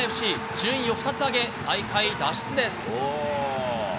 順位を２つ上げ、最下位脱出です。